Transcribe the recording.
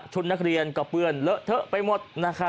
นักเรียนก็เปื้อนเลอะเทอะไปหมด